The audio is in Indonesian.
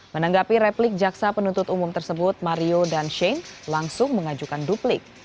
menanggapi replik jaksa penuntut umum tersebut mario dan shane langsung mengajukan duplik